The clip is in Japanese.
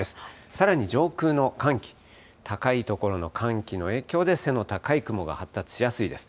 さらに上空の寒気、高い所の寒気の影響で、背の高い雲が発達しやすいです。